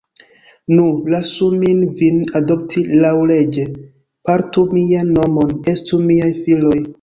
Nu, lasu min vin adopti laŭleĝe; portu mian nomon; estu miaj filoj.